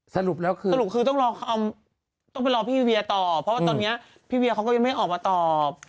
สรุปแล้วคือสรุปคือต้องรอต้องไปรอพี่เวียต่อเพราะว่าตอนนี้พี่เวียเขาก็ยังไม่ออกมาตอบ